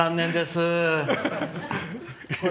残念です。